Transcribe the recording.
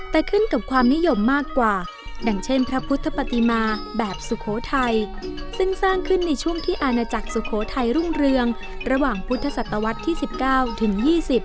แต่ขึ้นกับความนิยมมากกว่าดังเช่นพระพุทธปฏิมาแบบสุโขทัยซึ่งสร้างขึ้นในช่วงที่อาณาจักรสุโขทัยรุ่งเรืองระหว่างพุทธศตวรรษที่๑๙ถึง๒๐